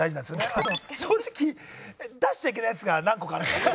正直出しちゃいけないやつが何個かあるんですよ。